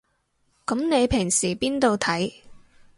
噉你平時邊度睇